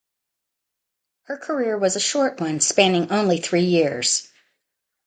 Her career was a short one, spanning only three years.